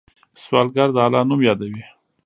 سوالګر د الله نوم یادوي